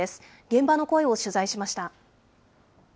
現場の声を取材しました。